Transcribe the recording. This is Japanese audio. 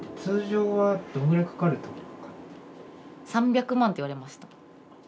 ３００万って言われました。